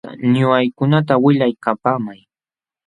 Ñuqaykunata willaykapaamay.